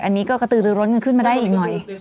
อันนี้ก็กระตือรือร้นกันขึ้นมาได้อีกหน่อย